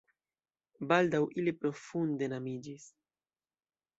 Baldaŭ ili profunde enamiĝis.